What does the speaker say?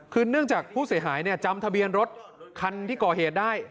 คือเนื่องจากผู้เสียหายจำทะเบียนรถคันที่ก่อเหตุได้